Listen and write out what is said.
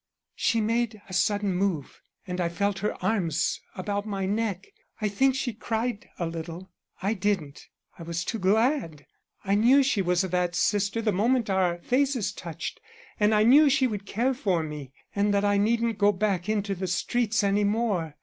"She made a sudden move, and I felt her arms about my neck. I think she cried a little. I didn't, I was too glad. I knew she was that sister the moment our faces touched, and I knew she would care for me, and that I needn't go back into the streets any more.